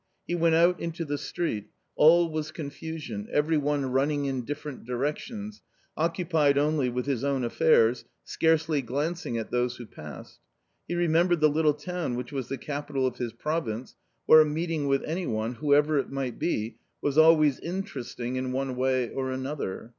He went out into the street ; all was confusion, every one running in different directions, occupied only with his own affairs, scarcely glancing at those who passed. He remem bered the little town which was the capital of his province, where a meeting with any one, whoever it might be, was always interesting in one way or another.